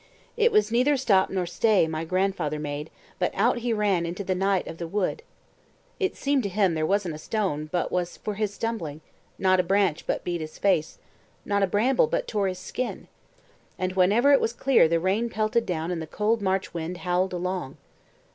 It was neither stop nor stay my grandfather made, but out he ran into the night of the wood. It seemed to him there wasn't a stone but was for his stumbling, not a branch but beat his face, not a bramble but tore his skin. And wherever it was clear the rain pelted down and the cold March wind howled along.